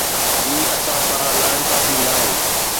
هي اسان سان ناانصافي ناهي.